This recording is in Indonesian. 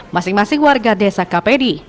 masing masing warga desa kapedi